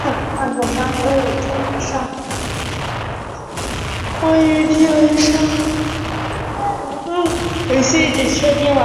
位于地垒上。